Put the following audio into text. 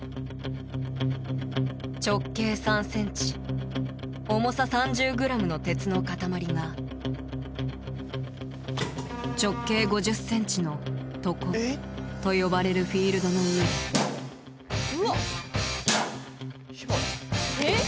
直径３ｃｍ重さ３０ｇの鉄の塊が直径５０ｃｍの床と呼ばれるフィールドの上うわっ。